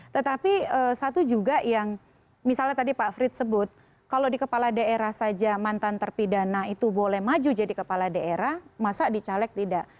tetapi satu juga yang misalnya tadi pak frits sebut kalau di kepala daerah saja mantan terpidana itu boleh maju jadi kepala daerah masa di caleg tidak